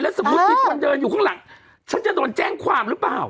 สมมุติมีคนเดินอยู่ข้างหลังฉันจะโดนแจ้งความหรือเปล่า